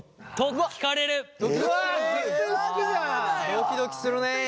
ドキドキするね！